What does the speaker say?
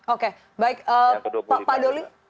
oke baik pak doli